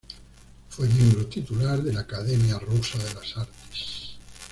Fue miembro titular de la Academia Rusa de las Artes.